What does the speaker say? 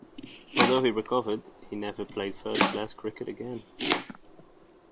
Although he recovered, he never played first-class cricket again.